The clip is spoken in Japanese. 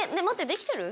できてる？